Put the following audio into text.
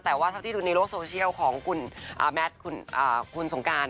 แต่ว่าเท่าที่ดูในโลกโซเชียลของคุณแมทคุณสงการ